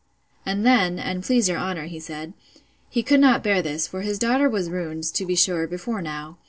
And then, and please your honour, he said, he could not bear this; for his daughter was ruined, to be sure, before now.